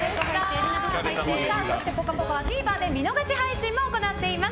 そして、「ぽかぽか」はＴＶｅｒで見逃し配信も行っています。